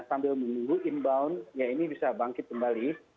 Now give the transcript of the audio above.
sambil menunggu inbound ya ini bisa bangkit kembali